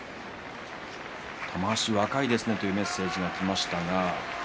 玉鷲若いですねというメッセージがきました。